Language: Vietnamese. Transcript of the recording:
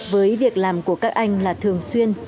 với việc làm của các anh là thường xuyên